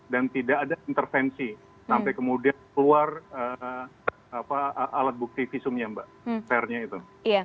dan tidak ada intervensi sampai kemudian keluar alat bukti visumnya mbak